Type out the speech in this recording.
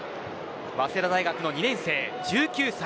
早稲田大学の２年生、１９歳。